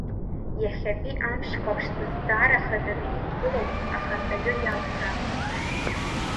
Иахьатәи амшхәаԥштә зҵаара хаданы иқәгылоуп ахантәаҩы иалхра.